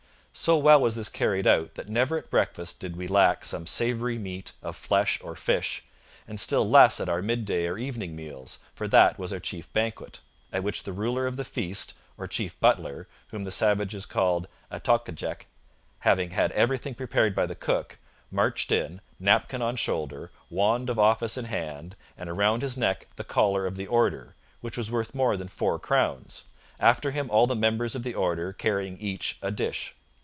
So well was this carried out that never at breakfast did we lack some savoury meat of flesh or fish, and still less at our midday or evening meals; for that was our chief banquet, at which the ruler of the feast or chief butler, whom the savages called Atoctegic, having had everything prepared by the cook, marched in, napkin on shoulder, wand of office in hand, and around his neck the collar of the Order, which was worth more than four crowns; after him all the members of the Order carrying each a dish.